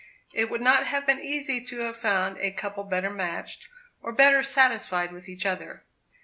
It would not have been easy to have found a couple better matched, or better satisfied with each other.